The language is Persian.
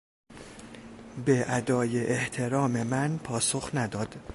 به ادای احترام من پاسخ نداد.